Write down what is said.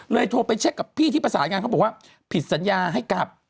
โทรไปเช็คกับพี่ที่ประสานงานเขาบอกว่าผิดสัญญาให้กลับ